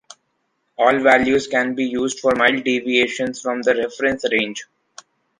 All values can be used for mild deviations from the reference range.